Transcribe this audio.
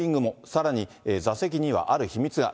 さらに座席にはある秘密が。